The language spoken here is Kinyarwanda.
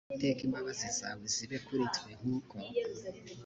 uwiteka imbabazi zawe zibe kuri twe nk uko